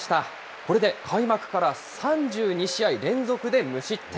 これで開幕から３２試合連続で無失点。